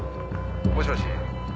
もしもし。